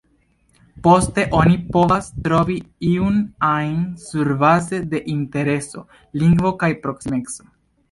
Poste, oni povas trovi iun ajn surbaze de intereso, lingvo kaj proksimeco.